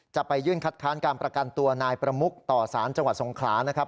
จะไปยื่นคัดค้านการประกันตัวนายประมุกต่อสารจังหวัดสงขลานะครับ